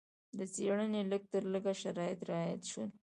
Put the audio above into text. د څېړنې لږ تر لږه شرایط رعایت شول.